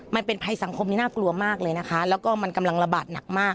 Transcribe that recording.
มันเป็นภัยสังคมนี้น่ากลัวมากเลยนะคะแล้วก็มันกำลังระบาดหนักมาก